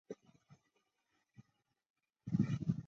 建沟石佛群的历史年代为金至明。